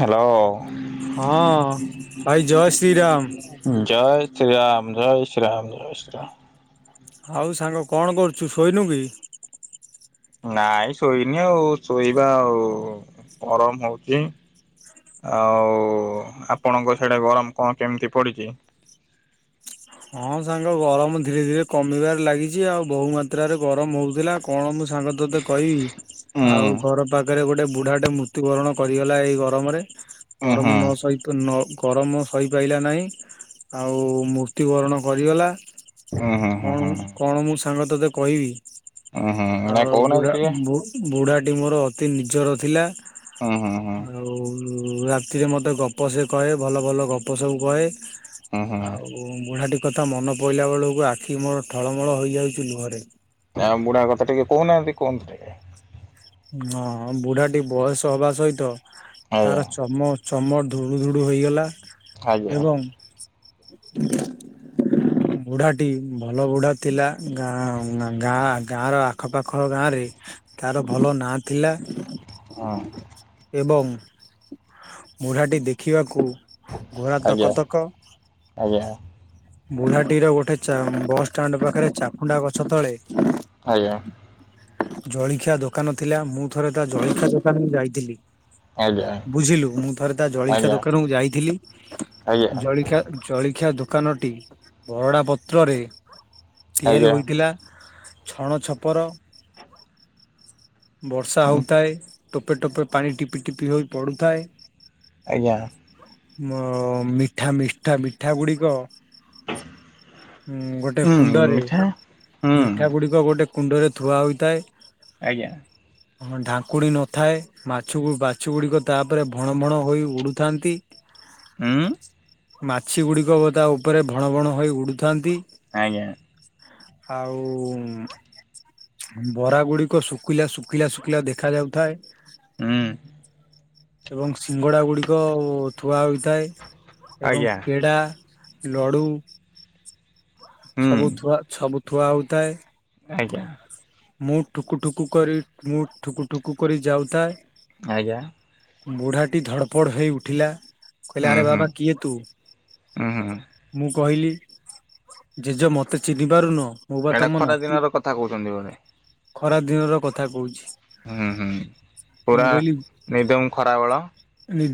Hello. ହଁ ଭାଇ ଜୟ ଶ୍ରୀରାମ। ଜୟ ଶ୍ରୀରାମ ଜୟ ଶ୍ରୀରାମ ଜୟ ଶ୍ରୀରାମ। ଆଉ ସାଙ୍ଗ କଣ କରୁଛୁ, ଶୋଇନୁ କି? ନାଇଁ ଶୋଇନି ଆଉ, ଶୋଇବା ଆଉ ଗରମ ହଉଛି। ଆଉ ଆପଣଙ୍କ ସାଡେ ଗରମ କଣ କେମିତି ପଡିଚି? [inaudible] ହଁ ସାଙ୍ଗ ଗରମ ଧୀରେ ଧୀରେ କମିବାରେ ଲାଗିଚି ଆଉ। ବହୁମାତ୍ରାରେ ଗରମ ହଉଥିଲା, ଆଉ କଣ ମୁଁ ସାଙ୍ଗ ତତେ କହିବି, ଉଁ ଆଉ ଘର ପାଖରେ ଗୋଟେ ବୁଢାଟେ ମୃତ୍ୟୁବରଣ କରିଗଲା ଏଇ ଗରମରେ। ଗରମ ହୁଁ ନ ସହି ନ ଗରମ ସହିପାଇଲା ନାହିଁ ଆଉ ମୁର୍ ମୃତ୍ୟୁବରଣ କରିଗଲା, ଉଁ ହୁଁ ହୁଁ କଣ ହୁଁ ମୁଁ ହୁଁ। କଣ ମୁଁ ସାଙ୍ଗ ତୋତେ କହିବି? ଉୁଁ ହୁଁ ନାଇଁ ଆଉ କହୁନାହାନ୍ତି ବୁଢା ଟିକେ ବୁ-ବୁଢା ଟି ମୋର ଅତି ନିଜର ଥିଲା। ହୁଁ ହୁଁ ହୁଁ ଆଉ ଉମ୍ ରାତିରେ ମତେ ଗପ ସେ କହେ, ଭଲ ଭଲ ଗପ ସବୁ କହେ। ହୁଁ-ହୁଁ। ଏବଂ ବୁଢାଟି କଥା ମନ ପଇଲା ବେଳକୁ ଆଖି ମୋର ଠଳମଳ ହୋଇଯାଉଛି ଲୁହରେ। ଆମ୍ ବୁଢା କଥା ଟିକେ କହୁନାହାଁନ୍ତି କୁହନ୍ତୁ ଟିକେ। ହଁ ହଁ ବୁଢା ଟିକେ ବୟସ ହବା ସହିତ ଆଜ୍ଞା ତାର ଚମ ଚମ ଧୁଡ଼ୁ ଧୁଡ଼ୁ ହୋଇଗଲା ଏବଂ [unintelligible] [inaudible] ବୁଢାଟି ଭଲ ବୁଢା ଥିଲା, ଗାଁ ଗାଁ ଗାଁ ର ଆଖପାଖ ଗାଁ ରେ ତାର ଭଲ ନାଁ ଥିଲା। ହଁ। ଏବଂ ବୁଢ଼ାଟି ଦେଖିବାକୁ ଗୋରା ଆଜ୍ଞା। ତକ ତକ ଆଜ୍ଞା ବୁଢାଟି ର ଗୋଟେ ଚା ପାଖରେ ଚାଖୁଣ୍ଡା ଗଛ ତଳେ ଆଜ୍ଞା। ଜଳିଖିଆ ଦୋକାନ ଥିଲା, ମୁଁ ଥରେ ତା ଜଳଖିଆ ଦୋକାନକୁ ଯାଇଥିଲି। ଆଜ୍ଞା ବୁଝିଲୁ ମୁଁ ଥରେ ତା ଜଳିଖିଆ ଆଜ୍ଞା ଆଜ୍ଞା ଦୋକାନକୁୁ ଯାଇଥିଲି। ଜଳିଖଆ ଜଳିଖିଆ ଦ ଦୋକାନ ଟି ବରନା ପତ୍ରରେ ଆଜ୍ଞା। ତିଆରି ଆଜ୍ଞା ହୋଇଥିଲା। ଛଣ ଛପର ବର୍ଷା ଉଁ ହଉଥାଏ। ଟୋପେ ଟୋପେ ପାଣି ଟିପି ଟିପି ହୋଇ ପଡୁଥାଏ। ଆଜ୍ଞା। ମିଠା ମିଠା ମିଠା ଗୁଡିକ ହଁ ଗୋଟେ ହୁଁ କୁଣ୍ଡରେ ମିଠା ହୁଁ। ମିଠା ଗୁଡିକ ଗୋଟେ କୁଣ୍ଡରେ ଥୁଆ ହୋଇଥାଏ। ଆଜ୍ଞା। ଆ ଢାଙ୍କୁଣ ନଥାଏ, ମାଛ ବାଛ ଗୁଡିକ ତାପରେ ଭଣ ଭଣ ହୋଇ ଉଡୁଥାନ୍ତି। ହ। ମାଛି ଗୁଡିକ ତା ଉପରେ ଭଣ ବଣ ହୋଇ ଉଡୁଥାନ୍ତି। ଆଜ୍ଞା। ଆଉ ବରା ଗୁଡିକ ଶୁଖିଲା ଶୁଖିଲା ଶୁଖିଲା ଦେଖା ଯାଉଥା ହୁଁ ଏବଂ ସିଙ୍ଗଡା ଗୁଡିକ ଥୁଆ ହୋଇଥାଏ। ଏବଂ ଆଜ୍ଞା ପେଡ଼ା ଲଡୁ ହୁଁ ସବୁ ଥୁଆ ସବୁ ଥୁଆ ହଉଥାଏ। ଆଜ୍ଞା। ମୁଁ ଠୁକୁ ଠୁକୁ କରି ମୁଁ ଠୁକୁ ଠୁକୁ କରି ଯାଉଥାଏ। ଆଜ୍ଞା। ବୁଢ଼ାଟି ଧଡ଼ପଡ଼ ହୋଇ ଉଠିଲା। କହିଲେ ହୁଁ ଆରେ ହୁଁ ବାବା କିଏ ତୁ ହୁଁ ହୁଁ ମୁଁ। କହିଲି ଜେଜ ମୋତେ ଚିହ୍ନି ପାରୁନ। ମୁଁ ବା ପେଡ ତମ ଖରା ନାତି ଦିନର କଥା କହୁଛନ୍ତି ବାନେ ଖରା ଦିନର କଥା କହୁଚି। ହୁ ହୁଁ ପୁରା ନିଧୁମ ଖରାବେଳ।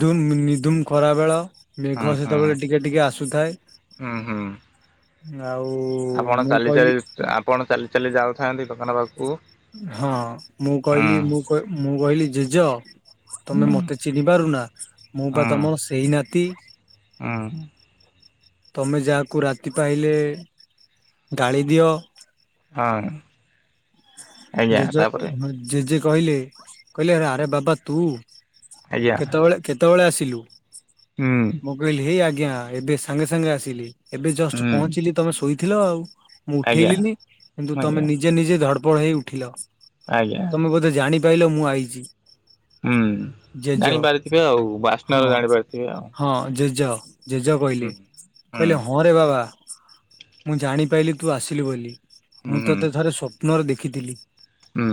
ନି ନିଦୁମ ଖରା ବେଳ ହୁଁ ମେଘ ହୁଁ ସେତେବେଳେ ଟିକେ ଟିକେ ଆସୁଥାଏ। ହୁଁ ହୁଁ ଆଉ ଆପଣ ମୁଁ ଚାଲି କହିଲି ଚାଲି ଆପଣ ଚାଲି ଚାଲି ଯାଉଥାନ୍ତି ଦୋକାନ ପାଖକୁ। ହଁ ମୁଁ ହୁଁ କହିଲି ମୁଁ ମୁଁ କହିଲି ଜେଜ ତମେ ହୁଁ ମତେ ଚିହ୍ନି ପାରୁନା ମୁଁ ବା ତମର ସେଇ ନାତି। ହଁ। ତମେ ଯାହାକୁ ରାତି ପାଇଲେ ଗାଳି ଦିଅ। ହଁ। ଆଜ୍ଞା ଜେଜ ତାପରେ ଜେଜେ କହିଲେ ଆରେ ବାବା ତୁ ଆଜ୍ଞା କେତେବେଳେ କେତେବେଳେ ଆସିଲୁ ହୁଁ ମୁଁ କହିଲି ଆ ଆଜ୍ଞା ଏବେ ସାଙ୍ଗେ ସାଙ୍ଗେ ଆସିଲି ଏବେ ଜଷ୍ଟ ହୁଁ ପହଞ୍ଚିଲି ତମେ ଶୋଇଥିଲ ଆଉ। ମୁଁ ଆଜ୍ଞା ଉଠେଇଲିିନି କିନ୍ତୁ ତମେ ଆଜ୍ଞା ନିଜେ ନିଜେ ଧଡ୍ ପଡ୍ ହୋଇ ଉଠିଲ। ଆଜ୍ଞା ତମେ ବୋଧେ ଜାଣିପାଇଲ ମୁଁ ଆଇଚି। ହୁଁ ଜେଜ ଜାଣିପାରିଥିବେ ଆଉ ବାସ୍ନାରୁ ହଁ ଜାଣିପାରିଥିବେ ଆଉ ହଁ ଜେଜ ଜେଜ ହୁଁ ହୁଁ କହିଲେ ହଁ ରେ ବାବା ମୁଁ ଜାଣି ପାଇଲି ତୁ ଆସିଲୁ ବୋଲି। ହୁଁ ମୁଁ ହୁଁ ତତେ ଥରେ ସ୍ୱପ୍ନରେ ଦେଖିଥିଲି। ହୁଁ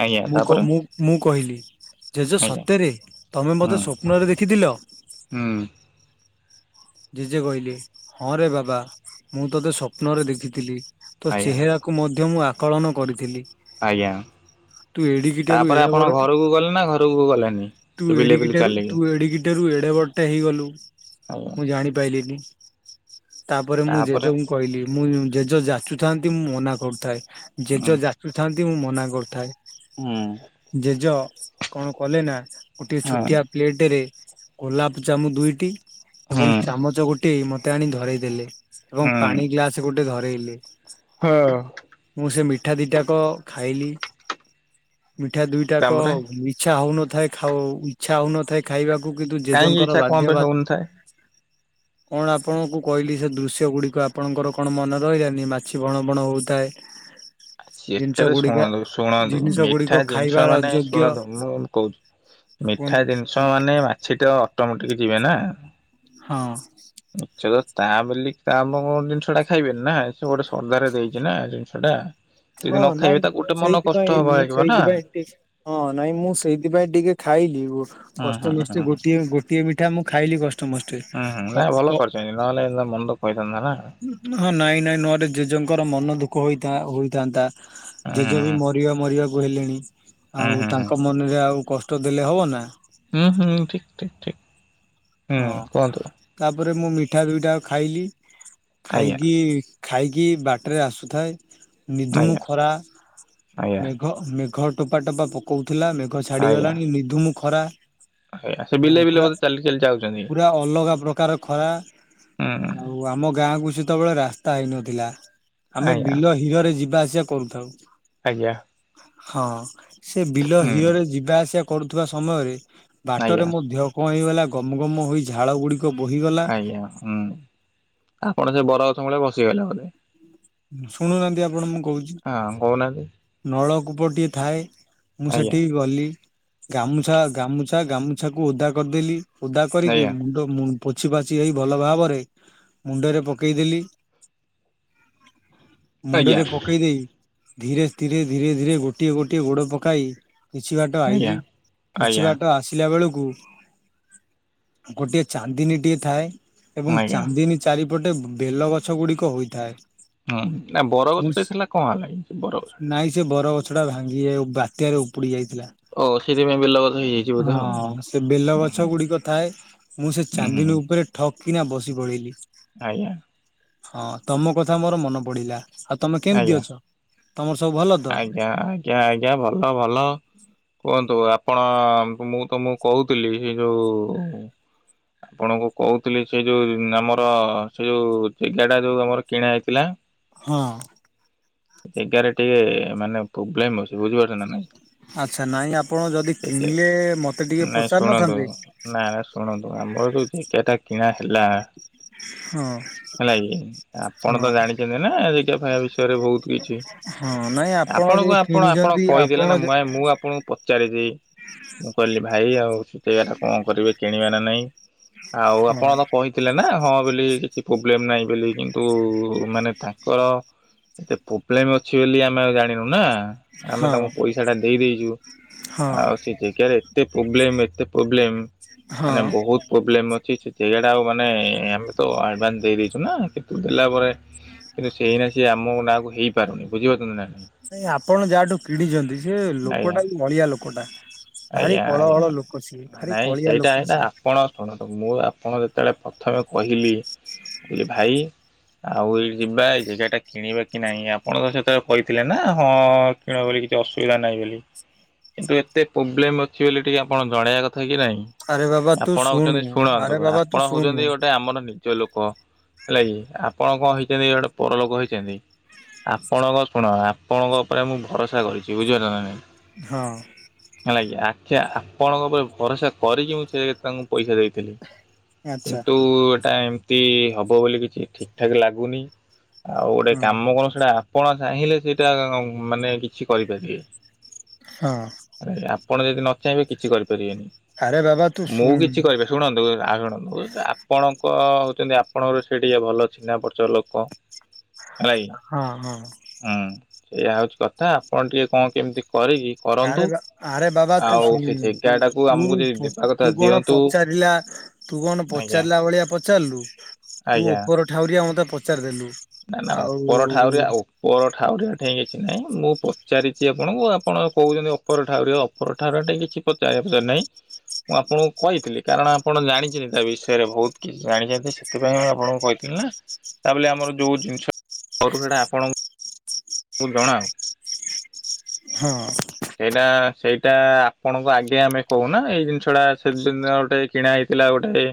ଆଜ୍ଞା ମୁଁ କ ତାପରେ ମୁଁ କହିଲି ଜେଜେ ଆଜ୍ଞା ସତରେ ତମେ ହୁଁ ମତେ ସ୍ୱପ୍ନରେ ଦେଖିଥିଲ। ହୁଁ ଜେଜେ କହିଲେ ହଁ ରେ ବାବା ମୁଁ ତୋତେ ସ୍ୱପ୍ନ ରେ ଦେଖିଥିଲି। ତ ଆଜ୍ଞା ଚେହେରାକୁ ମଧ୍ୟ ମୁଁ ଆକଳନ କରିଥିଲି। ଆଜ୍ଞା ତୁ ଏଡିକିଟାରୁ ତାପରେ ଏଡେ ବଡ ଆପଣ ଘରକୁ ଗଲେ ନା ଘରକୁ ଗଲେନି ବିଲେ ବିଲେ ଚାଲିକି ଏଟେ ରୁ ଏଡେ ବଡ ଟେ ହେଇଗଲୁ ଆଜ୍ଞା ମୁଁ ଜାଣିପାଇଲିନି। ତାପରେ ମୁଁ ଜେଜେଙ୍କୁ କହିଲି ମୁଁ ଜେଜ ଯାଚୁଥାନ୍ତି ମୁଁ ମନାକରୁଥାଏ ଜେଜ ହୁଁ ଯାଚୁଥାନ୍ତି ମୁଁ ମନା କରୁଥାଏ ହୁଁ ଜେଜ କଣ କଲେ ନା ଗୋଟେ ହଁ ଛୋଟିଆ ପ୍ଲେଟରେ ଗୋଲାପଜାମୁ ଦୁଇଟି ଏବଂ ହୁଁ ଚାମଚ ଗୋଟେ ମତେ ଆଣି ଧରଇ ଦେେଲେ ଏବଂ ହୁଁ ପାଣି ଗ୍ଲାସ ଗୋଟେ ଧରଇଲେ ହଁ। ମିଠା ଦିଟାକ ଖାଇଲି ମିଠା ଦୁଇ ଟାକ ତାପରେ ଇଛା ହୋଉ ନ ଥାଏ ଖାଉ ଇଚ୍ଛା ହଉନଥାଏ ଖାଇବାକୁ କିନ୍ତୁ କାହିଁକି ଜେଜେଙ୍କର ଇଚ୍ଛା କଣ ବାଧ୍ୟ ପାଇଁ ବା ହଉନଥାଏ କଣ ଆପଣଙ୍କୁ କହିଲି ସେ ଦୃଶ୍ୟ ଗୁଡିକ ଆପଣଙ୍କର କଣ ମନେ ରହିଲାନି ମାଛି ଭଣ ଭଣ ହଉଥାଏ। ଜିନିଷ ସେଟାରେ ଗୁଡିକା ଶୁଣନ୍ତୁ ଶୁଣନ୍ତୁ ଜିନିଷ ଗୁଡିକ ମିଠା ଜିନିଷ ଖାଇବାର ମାନେ ଅଯୋଗ୍ୟ ଶୁଣନ୍ତୁ ମୁଁ କହୁଛି ମିଠା କୁହନ୍ତୁ ଜିନିଷ ମାନେ ମାଛି ତ ଅଟୋମେଟିକ ଯିବେ ନା ହଁ। ନିଶ୍ଚୟ ତା ବୋଲି ଆମ ଜିନିଷ ଟା ଖାଇବେନି ନାଁ ସେ ଗୋଟେ ଶ୍ରଦ୍ଧାରେ ଦେଇଚି ନାଁ ଜିନିଷ ଟା ହଁ ଯଦି ନ ନାଇଁ ଖାଇବେ ତାକୁ ମୁଁ ଗୋଟେ ମନ କଷ୍ଟ ସେଇଥିପାଇଁ ହବା ମୁଁ ଲାଗିବ ନା ସେଇଥିପାଇଁ ଟି ହଁ ନାଇ ମୁଁ ଟିକେ ଖାଇ ଖାଇଲି ଗୋ ହୁଁ ହୁଁ କଷ୍ଟେ ହୁଁ ମଷ୍ଟେ ହୁଁ। ଗୋଟିଏ ଗୋଟିଏ ମିଠା ମୁଁ ଖାଇଲି କଷ୍ଟେ ମଷ୍ଟେ ହୁଁ ହୁଁ କ ନାଇଁ ଭଲ କ କରିଛନ୍ତି ନହେଲେ ମନ ଦୁଃଖ ହେଇଥାନ୍ତା ନା ହଁ ନାଇଁ ନାଇଁ ନ ହେଲେ ଜେଜେ ଙ୍କର ମନ ଦୁଃଖ ହୋଇଥା ହେଇଥାନ୍ତା। ହୁଁ ହୁଁ ଜେଜେବୀ ହୁଁ। ମରିବା ମରିବାକୁ ହେଲେଣି ହୁଁ ଆଉ ହୁଁ ହୁଁ ତାଙ୍କ ମନରେ ଆଉ କଷ୍ଟ ଦେଲେ ହବ ନା ହୁଁ ହୁଁ ଠିକ୍ ଠିକ୍ ଠିକ୍ ହଁ ତାପରେ ମୁଁ ମିଠା ଦୁଇଠା ଖାଇଲି ଆଜ୍ଞା ଖାଇକି ଖାଇକି ବାଟରେ ଆସୁଥାଏ ନିଧୁମ୍ ଆଜ୍ଞା ଖରା ଆଜ୍ଞା। ମେଘ -ମେଘ ଟୋପା ଟୋପା ପକଉଥିଲା ମେଘ ଆଜ୍ଞା ଛାଡିଗଲାଣି ନିଧୂମ୍ ଖରା ଆଜ୍ଞା ସେ ଵିଲେ ପୁରା ବିଲେ ବୋଧେ ଚାଲି ଚାଲି ଯାଉ ପୁରା ଅଲଗା ପ୍ରକାର ଖରା ଆଜ୍ଞା। ଆଉ ଆମ ଗାଁ ଗାଁକୁ ସେତେବେଳେ ରାସ୍ତା ହେଇନଥିଲା ଆମେ ହୁଁ ବିଲ ହିରରେ ଯିବା ଆସିବା କରୁଥାଉ ଆଜ୍ଞା। ହଁ ସେ ବିଲ ହିରରେ ଯିବା ଆସିବା କରୁଥିବା ସମୟରେ ବାଟରେ ଆଜ୍ଞା ମୋ ଦେହ କଣ ହେଇଗଲା ଗମ୍ ଗମ୍ ହୋଇ ଝାଳ ଗୁଡ଼ିକ ଆଜ୍ଞା ହୁଁ ଆପଣ ସେ ବରଗଛ ମୂଳେ ବସିଗଲେ ବୋଧେ? ଶୁଣୁନାହାନ୍ତି ଆପଣ ମୁଁ କହୁଛି ହଁ କହୁନାହାନ୍ତି ନଳକୂପ ଟିଏ ଥାଏ। ମୁଁ ଆଜ୍ଞା ସେଠିକ ଗଲି ଗାମୁଛା ଗାମୁଛା ଗାମୁଛାକୁ ଓଦା କରିଦେଲି ଓଦା କରିକି ଆଜ୍ଞା ମୁଣ୍ଡ ମୁ ପୋଛି ପାଛି ହେଇ ଭଲ ଭାବରେ ମୁଣ୍ଡରେ ପକେଇଦେଲି ଆଜ୍ଞା ମୁଣ୍ଡରେ ପକେଇ ଦେଇ ଧୀରେ ତ୍ସୀରେ ଧୀରେ ଧୀରେ ଗୋଟିଏ ଗୋଟିଏ ଗୋଡ଼ ପକାଇ କିଛି ବାଟ ଆଜ୍ଞା ଆଇଲି କିଛି ଆଜ୍ଞା ବାଟ ଆସିଲା ବେଳକୁ ଗୋଟିଏ ଚାନ୍ଦିନୀ ଟିଏ ଥାଏ ଏବଂ ଆଜ୍ଞା ଚାନ୍ଦିନୀ ଚାରି ଗୋଟେ ବେଲ ଗଛ ଗୁଡ଼ିକ ହୋଇଥାଏ। ହୁଁ ନା ମୁଁ ବରଗଛ ଟେ ଥିଲା କଣ ହେଲା ବରଗଛ ନାଇଁ ସେ ବର ଗଛ ଟା ଭାଙ୍ଗି [unintelligible] ବାତ୍ୟାରେ ଉପୁଡି ଯାଇଥିଲା। ଓ ସେଥିପାଇଁ ବେଲ ଗଛ ହେଇଯାଇଛି ବୋଧେ ଆଉ ହୁଁ ହଁ ସେ ବେଲ ଗଛ ଗୁଡିକ ଥାଏ ମୁଁ ସେ ହୁଁ ହୁଁ ହୁଁ ଚାନ୍ଦିନୀ ଉପରେ ଠକ୍ କିନା ବସି ପଡିଲିି। ଆଜ୍ଞା। ହଁ ତମ କଥା ମୋର ମନ ପଡିଲା ଆଉ ତମେ କେମିତି ଆଜ୍ଞା ଅଛ ତମର ସବୁ ଭଲ ତ? ଆଜ୍ଞା ଆଜ୍ଞା ଆଜ୍ଞା ଭଲ ଭଲ କୁହନ୍ତୁ। ତ ଆପଣ ମୁଁ ତମକୁ କହୁଥିଲି ସେ ଯୋଉ ଆପଣଙ୍କୁ କହୁଥିଲି ସେ ଯୋଉ ଆମର ସେ ଯୋଉ ଜାଗା ଟା ଯୋଉ ଆମର କିଣା ହେଇଥିଲା। ହଁ। ଜାଗାରେ ଟିକେ ମାନେ ପ୍ରୋବ୍ଲେମ ଅଛି ବୁଝିପାରୁଛ ନା ନାଇଁ ଆଚ୍ଛା ନାଇଁ ଆପଣ ଯଦି ସେ କିଣିଲେ ମତେ ଟିକେ ନାଇଁ ପଚାରି ଶୁଣନ୍ତୁ ନଥାନ୍ତେ ନାଇଁ ଶୁଣନ୍ତୁ। ଆମର ଯୋଉ ଜାଗାଟା କିଣା ହେଲା ହଁ ହେଲା କି ଆପଣ ତ ହଁ ଜାଣିଛନ୍ତି ନା [unintelligible] ବିଷୟରେ ବହୁତ କିଛି ହଁ ନାଇଁ ଆପଣ ଆପଣଙ୍କୁ ଯୋଉ ଆପଣ ଆପଣ କିଣିଛନ୍ତି କହିଦେଲେ ଆପଣ ନା ଯେ ମା ମୁଁ ଆପଣଙ୍କୁ ପଚାରିଛି ମୁଁ କହିଲି ଭାଇ ଆଉ ସୁତେଇବାଟା କଣ କରିବେ କିଣିବେ ନା ନାଇଁ ଆଉ ହଁ ଆପଣ ତ କହିଥିଲେ ନା ହଁ ବୋଲି କିଛି ପ୍ରୋବଲେମ ନାହିଁ ବୋଲି କିନ୍ତୁ ମାନେ ତାଙ୍କର ଏତ ପ୍ରୋବ୍ଲେମ୍ ଅଛି ବୋଲି ଆମେ ଆଉ ଜାଣିନୁ ନା ଆମେ ହଁ ତାଙ୍କୁ ପଇସା ଟା ଦେଇ ଦେଇଛୁ। ହଁ ଆଉ ସେ ଜାଗାରେ ଏତେ ପ୍ରୋବ୍ଲେମ୍ ଏତେ ପ୍ରୋବ୍ଲେମ୍ ମାନେ ହଁ ବହୁତ ପ୍ରୋବ୍ଲେମ୍ ଅଛି ସେ [unintelligible] ଆଉ ମାନେ ଆମେ ତ ଆଡଭାନ୍ସ୍ ଦେଇ ଦେଇ ଦେଇଛୁ ନା ତୁ ଦେଲା ପରେ କିନ୍ତୁ ସେଇନା ସିଏ ଆମ ନାଁକୁ ହେଇପାରୁନି ବୁଝିପାରୁଛ ନା ନାଇଁ ନାଇଁ ଆପଣ ଯାହାଠୁ କିଣିଛନ୍ତି ସେ ଆଜ୍ଞା ଲୋକଟା ବି ଅଳିଆ ଲୋକଟା ଭାରି ଆଜ୍ଞା କଳହଳ ଆଜ୍ଞା ଲୋକ ସିଏ ଭାରି ନାଇଁ କଳିଆ ସେଇଟା ଲୋକ ହେଲା ସିଏ ଆପଣ ଶୁଣନ୍ତୁ ମୁଁ ଆପଣ ଯେତେବେଳେ ପ୍ରଥମେ କହିଲି କହିଲି ଭାଇ ଆଉ ଏଇ ଯିବା ଏ ଜାଗାଟା କିଣିବା କି ନାଇଁ ଆପଣ ତ ସେତେବେଳେ କହିଥିଲେ ନା ହଁ କିଣ ବୋଲି କିଛି ଅସୁବିଧା ନାହିଁ ବୋଲି କିନ୍ତୁ ଏତେ ପ୍ରୋବ୍ଲେମ୍ ଅଛି ବୋଲି ଟିକେ ଆପଣ ଜଣେଇବା କଥା କି ନାଇଁ ଆରେ ବାବା ତୁ ଆପଣ ଶୁଣୁ ହଉଛନ୍ତି ଶୁଣନ୍ତୁ ଆରେ ବାବା ତୁ ଆପଣ ଶୁଣୁ ହଉଛନ୍ତି ଗୋଟେ ଆମର ନିଜ ଲୋକ ହେଲା କି ଆପଣ କଣ ହେଇଛନ୍ତି ଗୋଟେ ପରଲୋକ ହେଇଛନ୍ତି। ଆପଣଙ୍କ ଶୁଣ ଆପଣଙ୍କ ଉପରେ ମୁଁ ଭରସା କରିଛି ବୁଝିଲ ନା ନାଇଁ ହଁ। ଆଜ୍ଞା ଆଚ୍ଛା ଆପଣଙ୍କ ଉପରେ ଭରସା କରିକି ମୁଁ ସେ ତାଙ୍କୁ ପଇସା ଦେଇଥିଲି ଆଚ୍ଛା କିନ୍ତୁ ଏଟା ହବ ବୋଲି କିଛି ଠିକ୍ ଠାକ୍ ଲାଗୁନି ଆଉ ଗୋଟେ ହଁ କାମ କଣ ସେଟା ଆପଣ ଚାହିଁଲେ ସେଟା ମାନେ କିଛି କରିପାରିବେ। ହଁ। ଆରେ ଆପଣ ଯଦି ନ ଚାହିଁବେ କିଛି କରି ଆରେ ବାବା ତୁ ମୁଁ ଶୁଣୁ କିଛି କରିବି ଶୁଣନ୍ତୁ ଶୁଣନ୍ତୁ ଆପଣ [unintelligible] ହଉଛନ୍ତି ଆପଣଙ୍କର ସେ ଟିକେ ଭଲ ଚିହ୍ନା ପରିଚୟ ଲୋକ ହେଲାକି ହଁ ହଁ ହୁଁ ସେଇୟା ହଉଛି କଥା ଆପଣ ଟିକେ କଣ କେମିତି କରିକି ଆରେ କରନ୍ତୁ ବା ଆରେ ବାବା ତୁ ଆଉ ସେ ଶୁଣୁ ଜାଗା ଟାକୁ ଆମକୁ ଯଦି ଦେବା କଥା ଦିଅନ୍ତୁ [unintelligible] ିଲା ତୁ କଣ ଆଜ୍ଞା ପଚାରିଲା ଭଳିଆ ପଚାରିଲୁ ତୁ ଆଜ୍ଞା। ଉପର ଠାଉଁରିଆ ମତେ ପଚାରିଦେଲୁ ନା ନା ଆଉ ଉପର ଠାଉଁରିଆ ହଁ। ଉପର ଠାଉଁରିଆ କାଇଁ କିଛି ନାହିଁ ମୁଁ ପଚାରିଛି ଆପଣଙ୍କୁ ଆପଣ କହୁଛନ୍ତି ଉପର ଠାଉଁରିଆ ଉପରଟା କିଛି ପଚାରିବା ରଜାଇ [unintelligible] ମୁଁ ଆପଣଙ୍କୁ କହିଥିଲି କାରଣ ଆପଣ ଜାଣିଛନ୍ତି ତା ବିଷୟରେ ବହୁତ କିଛି ଜାଣିଛନ୍ତି ସେଥିପାଇଁ ମୁଁ ଆପଣଙ୍କୁ କହିଥିଲି। ତା ବଲେ ଆମର ଯୋଉ ଜିନିଷ ସେଇଟା ଆପଣ ମୁ ଜଣା [unintelligible] ହଁ। ହେଇଟା ସେଇଟା ଆପଣଙ୍କ ଆଜ୍ଞା ଆମେ କହୁନା ଏଇ ଜିନିଷ ଟା ସେଦିନ ଗୋଟେ କିଣା ହେଇ ଥିଲା ଗୋଟେ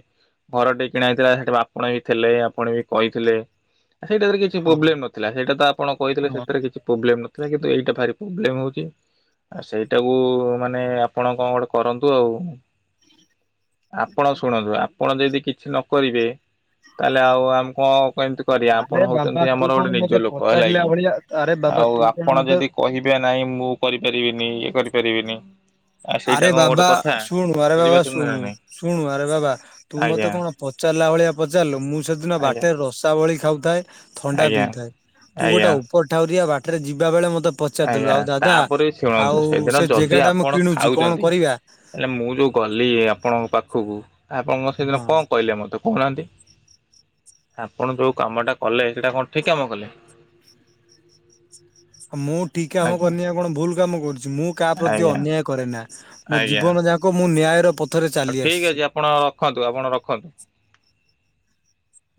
ଘରଟେ କିଣା ହେଇଥିଲା ସେଠି ଆପଣ ବି ଥିଲେ ଆପଣ ବି କହିଥିଲେ। ସେଇଟରେ କିଛି ପ୍ରୋବ୍ଲେମ ନଥିଲା। ସେଇଟା ତ ଆପଣ କହିଥିଲେ ହଁ ସେଥିରେ କିଛି ପ୍ରୋବ୍ଲେମ ନଥିଲା। କିନ୍ତୁ ଏଇଟା ଭାରି ପ୍ରୋବ୍ଲେମ ହଉଛି ଆ ସେଇଟାକୁ ମାନେ ଆପଣ କଣ ଗୋଟେ କରନ୍ତୁ ଆଉ। ଆପଣ ଶୁଣନ୍ତୁ ଆପଣ ଯଦି କିଛି ନ କହିବେ ତାହେଲେ ଆଉ ଆମେ କଣ କେମିତି କରିବା? ଆରେ ଆପଣ ବାବା ହଉଛନ୍ତି ତୁ ଆମର କଣ ଗୋଟେ ମତେ ନିଜ ଲୋକ ହେଲା ପଚାରିଲା କି। ଭଳିଆ ଆରେ ବାବା ଆଉ ତୁ କଣ ଆପଣ ମତେ ଯଦି କହିବେ ନାହିଁ ମୁଁ କରିପାରିବିନି ଇଏ କରିପାରିବିନି ଆଉ ସେଇଟା ଆରେ କଣ ଗୋଟେ ବାବା କଥା ଶୁଣୁ ଆରେ ବାବା ବୁଝିପାରୁଛନ୍ତି ନା ଶୁଣୁ ନାଇଁ ଶୁଣୁ ଆରେ ବାବା ତୁ ମତେ ଆଜ୍ଞା କଣ ପଚାରିଲ ଭଳିଆ ପଚାରିଲୁ। ମୁଁ ସେଦିନ ଆଜ୍ଞା ବାଟରେ ରସାବଳି ଖାଉ ଥାଏ ଥଣ୍ଡା ଆଜ୍ଞା ପିଉଥାଏ। ତୁ ଗୋଟେ ଆଜ୍ଞା ଉପର ଠାଉରିଆ ବାଟରେ ଯିବା ବେଳେ ମ ମତେ ପଚାରିଦେଲୁ। ଆଜ୍ଞା ଆଉ ଦାଦା ତାପରେ ଆଉ ସେ ଜାଗା ଟା ମୁଁ କିଣୁଚି ଛନ୍ତି। ହେଲେ ମୁଁ ଯୋଉ ଗଲି ଆପଣଙ୍କ ପାଖକୁ ଆପଣ ମୋତେ ସେଇଦିନ କଣ ହଁ କହିଲେ ମତେ କହୁନାହାନ୍ତି। ଆପଣ ଯୋଉ କାମଟା କଲେ ସେଇଟା କଣ ଠିକ କାମ କଲେ? [inaudible] ମୁଁ ଠିକ କାମ ଆଜ୍ଞା କରିନି ଆ କଣ ଭୁଲ କାମ କରୁଛି। ମୁଁ କାହା ପ୍ରତି ଆଜ୍ଞା ଅନ୍ୟାୟ କରେ ନା। ମୋ ଜୀବନ ଯାକ ମୁଁ ନ୍ୟାୟ ର ପ ଆଉ ଠିକ ଅଛି ଆପଣ ରଖନ୍ତୁ। ଆପଣ ରଖନ୍ତୁ।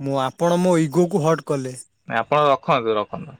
ମୁଁ ଆପଣ ମୋ ଇଗୋ କୁ ହଟ୍ କଲେ। ନା ଆପଣ ରଖନ୍ତୁ ରଖନ୍ତୁ।